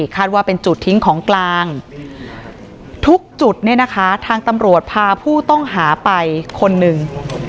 ว่าเป็นจุดทิ้งของกลางทุกจุดเนี่ยนะคะทางตำรวจพาผู้ต้องหาไปคนหนึ่ง